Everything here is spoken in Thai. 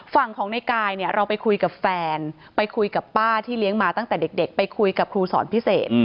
ฝั่งของในกายเนี่ยเราไปคุยกับแฟนไปคุยกับป้าที่เลี้ยงมาตั้งแต่เด็กไปคุยกับครูสอนพิเศษ